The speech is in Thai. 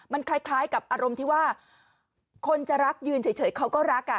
มันคล้ายกับอารมณ์ที่ว่าคนจะรักยืนเฉยเขาก็รัก